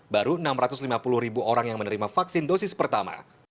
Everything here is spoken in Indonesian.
baru enam ratus lima puluh ribu orang yang menerima vaksin dosis pertama